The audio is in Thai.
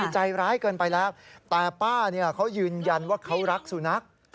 ใจร้ายเกินไปแล้วแต่ป้าเขายืนยันว่าเขารักสุนัข